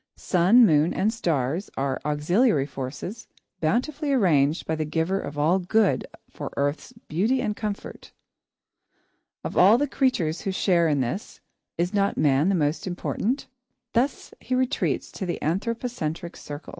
Sun, moon, and stars are auxiliary forces, bountifully arranged by the Giver of all Good for Earth's beauty and comfort. Of all the creatures who share in this, is not man the most important? Thus he retreats to the anthropocentric circle.